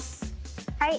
はい。